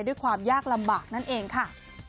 ด้วยความยากลำบากนั่นเองค่ะ